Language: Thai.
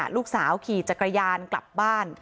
ลูกสาวขี่จักรยานกลับบ้าน